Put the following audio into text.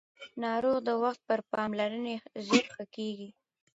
ناروغ د وخت پر پاملرنې ژر ښه کېږي